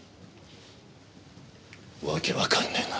わけわかんねえな。